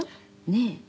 ねえ。